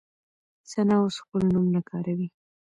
ثنا اوس خپل نوم نه کاروي.